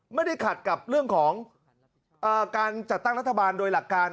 ไม่ได้ขัดกับเรื่องของการจัดตั้งรัฐบาลโดยหลักการ